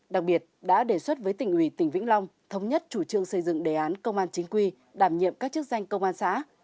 đặc biệt đã đề xuất với tỉnh ủy tỉnh vĩnh long thống nhất chủ trương xây dựng đề án công an chính quy đảm nhiệm các chức danh công an xã